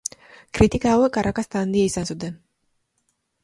Kritika hauek arrakasta handia izan zuten.